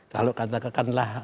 kalau kata kata kanlah